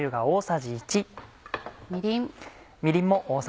みりん。